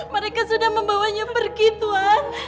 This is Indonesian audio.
mereka sudah membawanya pergi tuhan